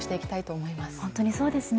本当にそうですね。